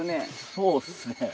そうですね